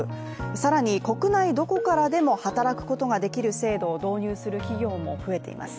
更に国内どこからでも働くことができる制度を導入する企業も増えています。